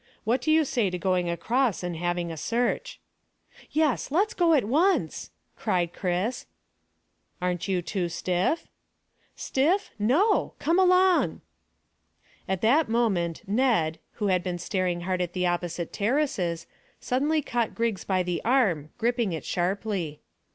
What do you say to going across and having a search?" "Yes; let's go at once," cried Chris. "Aren't you too stiff?" "Stiff? No. Come along!" At that moment Ned, who had been staring hard at the opposite terraces, suddenly caught Griggs by the arm, gripping it sharply.